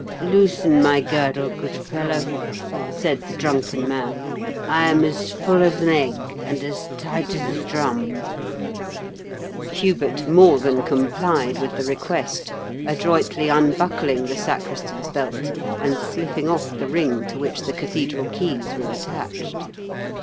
" Loosen my girdle, good fellow," said the dnmken man. " I am as full as an egg^ and as tight as a drum." H 98 m KENT WITH 0HABLE8 DICKENS. Hubert more than complied with the request, adroitly unbuckling the sacristan's belt, and slipping off the ring to which the cathedral keys were attached.